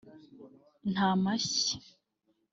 nta mashyi